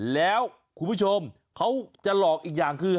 แล้วคุณผู้ชมเขาจะหลอกอีกอย่างคือ